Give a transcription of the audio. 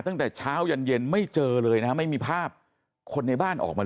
ตั้งแต่เช้ายันเย็นไม่เจอเลยนะฮะไม่มีภาพคนในบ้านออกมา